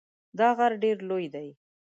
دا غر ډېر لوړ دی.